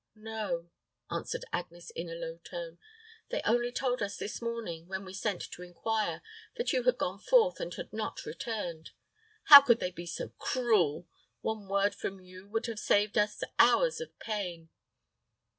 "No," answered Agnes, in a low tone. "They only told us this morning, when we sent to inquire, that you had gone forth, and had not returned. How could they be so cruel. One word from you would have saved us hours of pain."